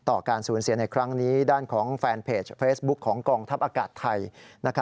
การสูญเสียในครั้งนี้ด้านของแฟนเพจเฟซบุ๊คของกองทัพอากาศไทย